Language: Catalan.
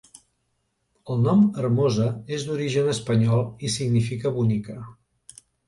El nom Hermosa és d'origen espanyol i significa "bonica".